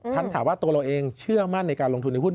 ท่านถามว่าตัวเราเองเชื่อมั่นในการลงทุนในหุ้น